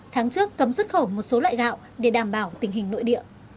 tháng trước cấm xuất khẩu một số loại gạo để đảm bảo tình hình nội địa